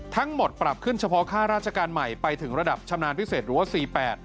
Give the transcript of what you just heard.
ทั้งหมดปรับขึ้นเฉพาะค่าราชการใหม่ไปถึงระดับชำนาญพิเศษหรือว่า๔๘